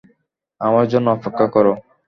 আমার জন্য অপেক্ষা করো।